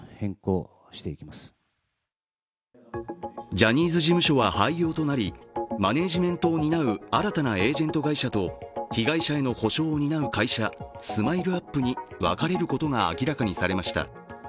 ジャニーズ事務所は廃業となりマネジメントを担う新たなエージェント会社と被害者への補償を担う会社ＳＭＩＬＥ−ＵＰ．に分かれることが明らかにされました。